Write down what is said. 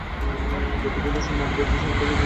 যত দ্রুত সম্ভব আমাদের উচিত সান্থানামকে মেরে ফেলা।